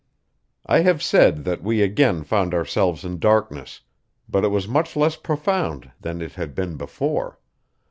I have said that we again found ourselves in darkness, but it was much less profound than it had been before.